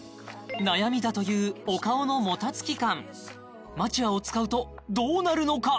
悩みだというお顔のもたつき感マチュアを使うとどうなるのか？